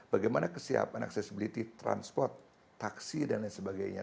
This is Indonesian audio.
bagaimana kesiapan accessibility transport taksi dan lain sebagainya